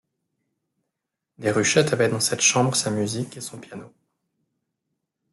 Déruchette avait dans cette chambre sa musique et son piano.